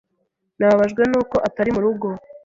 Nababajwe nuko atari murugo.